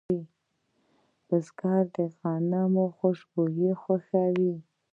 بزګر د غنمو خوشبو خوښوي